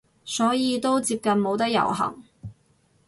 所以都接近冇得遊行